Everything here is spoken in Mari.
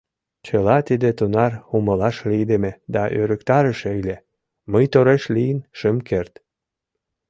Чыла тиде тунар умылаш лийдыме да ӧрыктарыше ыле, мый тореш лийын шым керт.